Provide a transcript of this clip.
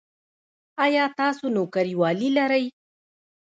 ایا تاسو نوکریوالي لرئ؟